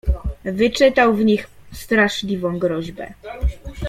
"Wyczytał w nich straszliwą groźbę."